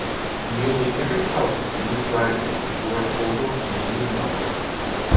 Nearly every house in this riding is worth over a million dollars.